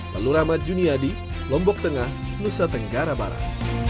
lalu rahmat juniadi lombok tengah nusa tenggara barat